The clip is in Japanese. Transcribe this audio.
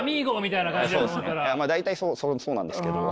いやまあ大体そうなんですけど。